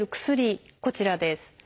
こちらです。